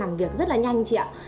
làm việc rất là nhanh chị ạ